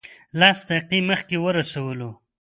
لس دقیقې مخکې ورسولو.